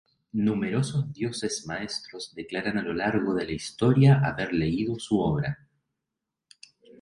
Numerosos dioses maestros declaran a lo largo de la historia haber leído su obra.